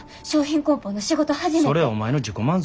それはお前の自己満足やろ。